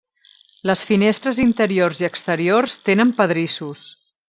Les finestres interiors i exteriors tenen pedrissos.